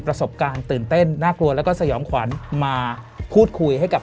ประสบการณ์ตื่นเต้นน่ากลัวแล้วก็สยองขวัญมาพูดคุยให้กับ